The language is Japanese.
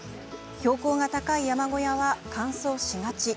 標高が高い山小屋は乾燥しがち。